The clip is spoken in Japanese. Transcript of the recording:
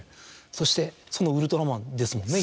そしてそのウルトラマンですもんね。